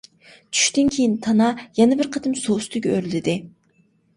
چۈشتىن كېيىن تانا، يەنە بىر قېتىم سۇ ئۈستىگە ئۆرلىدى.